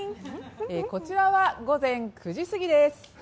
こちらは午前９時すぎです。